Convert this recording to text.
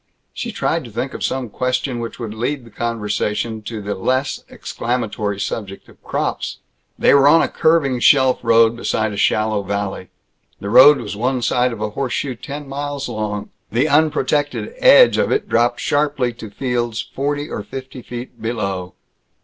She tried to think of some question which would lead the conversation to the less exclamatory subject of crops. They were on a curving shelf road beside a shallow valley. The road was one side of a horseshoe ten miles long. The unprotected edge of it dropped sharply to fields forty or fifty feet below.